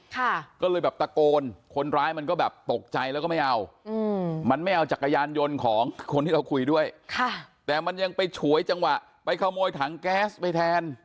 ค่ะก็เลยแบบตะโกนคนร้ายมันก็แบบตกใจแล้วก็ไม่เอาอืมมันไม่เอาจักรยานยนต์ของคนที่เราคุยด้วยค่ะแต่มันยังไปฉวยจังหวะไปขโมยถังแก๊สไปแทน